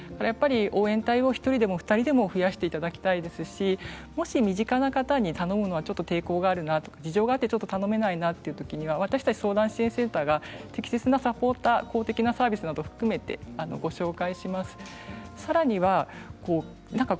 応援隊を１人でも２人でも増やしていただきたいですし身近な方に頼むのが抵抗があるな事情があって頼めないという時は私たち相談支援センターが適切なサポートを公的制度なども含めて、ご紹介します。